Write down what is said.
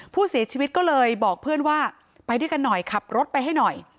ผู้เสียชีวิตก็เลยบอกเพื่อนว่าไปด้วยกันหน่อยขับรถไปให้หน่อย